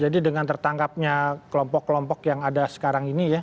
jadi dengan tertangkapnya kelompok kelompok yang ada sekarang ini ya